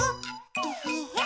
えへへ。